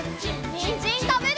にんじんたべるよ！